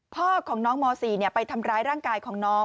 พ่อของน้องม๔ไปทำร้ายร่างกายของน้อง